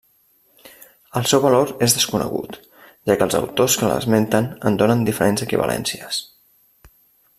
El seu valor és desconegut, ja que els autors que l'esmenten en donen diferents equivalències.